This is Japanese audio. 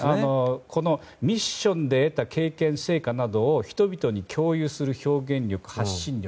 このミッションで得た経験・成果などを人々に共有する表現力と発信力。